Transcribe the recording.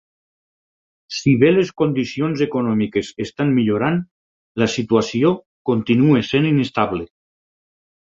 Si bé les condicions econòmiques estan millorant, la situació continua sent inestable.